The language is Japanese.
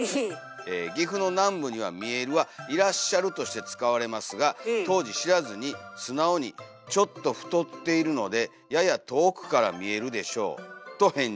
岐阜の南部には『見える』は『いらっしゃる』として使われますが当時知らずに素直に『ちょっと太っているのでやや遠くから見えるでしょう』と返事」。